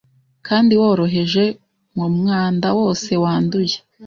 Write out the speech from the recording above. kandi woroheje mumwanda wose wanduye